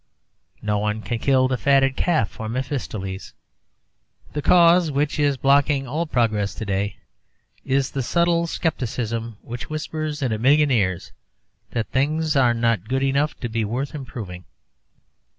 No one can kill the fatted calf for Mephistopheles. The cause which is blocking all progress today is the subtle scepticism which whispers in a million ears that things are not good enough to be worth improving.